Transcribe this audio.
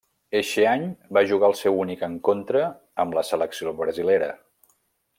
Eixe any va jugar el seu únic encontre amb la selecció brasilera.